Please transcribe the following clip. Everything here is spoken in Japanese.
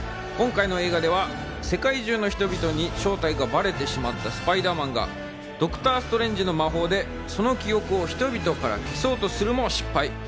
今回の映画では世界中の人々に正体がバレてしまったスパイダーマンがドクター・ストレンジの魔法でその記憶を人々から消そうとするも失敗。